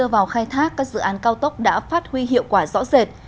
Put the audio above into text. vào khai thác các dự án cao tốc đã phát huy hiệu quả rõ rệt